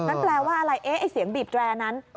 แปลว่าอะไรเอ๊ะไอ้เสียงบีบแรร์นั้น